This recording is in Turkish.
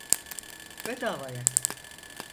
Bedavaya.